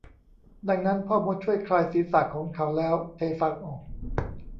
ดังนั้นพ่อมดช่วยคลายศีรษะของเขาแล้วเทฟางออก